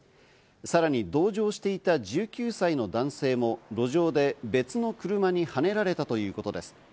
さらに同乗していた１９歳の男性も路上で別の車にはねられたということです。